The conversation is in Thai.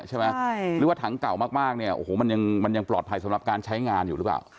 หรือว่าถังเก่ามากมันยังปลอดภัยสำหรับการใช้งานอยู่หรือเปล่า